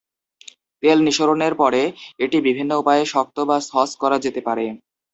তেল নিঃসরণের পরে, এটি বিভিন্ন উপায়ে শক্ত বা সস করা যেতে পারে।